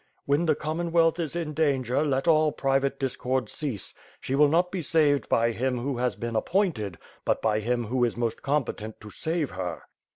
"When the Common wealth is in danger, let all private discord cease. She will not be saved by him who has been appointed, but by him who is most competent to save her."